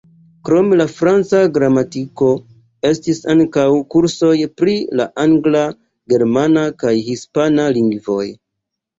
Krom la franca gramatiko, estis ankaŭ kursoj pri la angla, germana kaj hispana lingvoj.